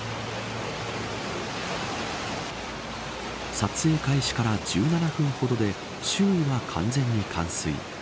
撮影開始から１７分ほどで周囲は完全に冠水。